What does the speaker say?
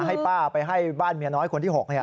ให้ป้าไปให้บ้านเมียน้อยคนที่๖